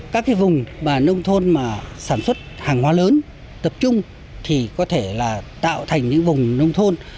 các cái vùng mà nông thôn mà sản xuất hàng hóa lớn tập trung thì có thể là tạo thành những vùng nông thôn